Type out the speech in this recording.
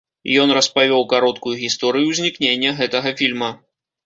Ён распавёў кароткую гісторыю ўзнікнення гэтага фільма.